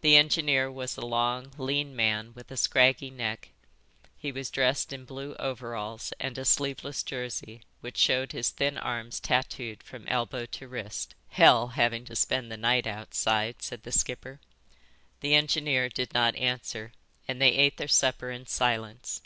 The engineer was a long, lean man with a scraggy neck. He was dressed in blue overalls and a sleeveless jersey which showed his thin arms tatooed from elbow to wrist. "Hell, having to spend the night outside," said the skipper. The engineer did not answer, and they ate their supper in silence.